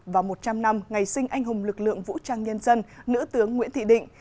và một trăm linh năm ngày sinh anh hùng lực lượng vũ trang nhân dân nữ tướng nguyễn thị định